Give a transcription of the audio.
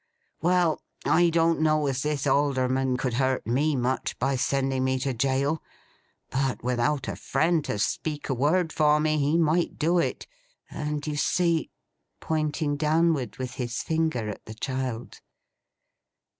Well! I don't know as this Alderman could hurt me much by sending me to jail; but without a friend to speak a word for me, he might do it; and you see—!' pointing downward with his finger, at the child.